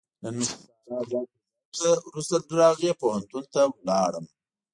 نن مې چې ساره ځای په ځای کړه، ورسته له هغې پوهنتون ته ولاړم.